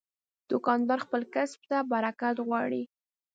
دوکاندار خپل کسب ته برکت غواړي.